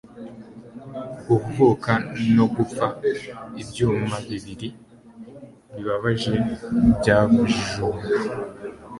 ku kuvuka no gupfa, ibyuma bibiri bibabaje byabajura